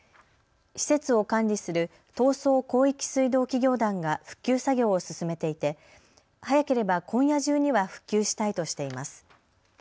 施設を管理する東総広域水道企業団が復旧作業を進めていて早ければ今夜中には復旧したいとしています。